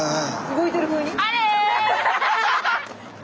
動いてるふうに？